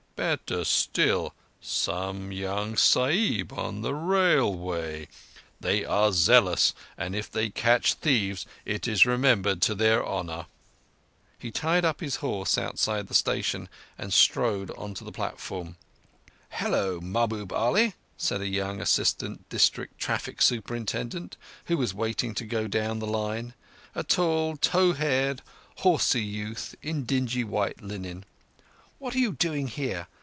Better still, some young Sahib on the Railway! They are zealous, and if they catch thieves it is remembered to their honour." He tied up his horse outside the station, and strode on to the platform. "Hullo, Mahbub Ali" said a young Assistant District Traffic Superintendent who was waiting to go down the line—a tall, tow haired, horsey youth in dingy white linen. "What are you doing here?